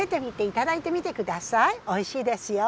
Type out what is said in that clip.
おいしいですよ。